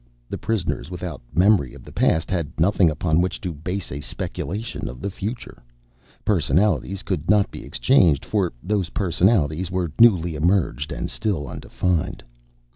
The prisoners, without memory of the past, had nothing upon which to base a speculation of the future. Personalities could not be exchanged, for those personalities were newly emerged and still undefined.